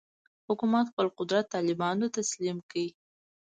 حکومت خپل قدرت طالبانو ته تسلیم کړي.